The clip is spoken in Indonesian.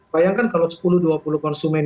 bayangkan kalau sepuluh dua puluh konsumen